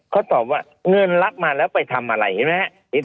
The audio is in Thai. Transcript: เขาตอบว่าเงินลักษณ์มาแล้วไปทำอะไรเห็นไหม